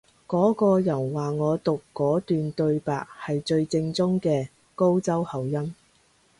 嗰個人話我讀嗰段對白係最正宗嘅高州口音